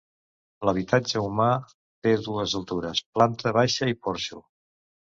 L’habitatge humà té dues altures: planta baixa i porxo.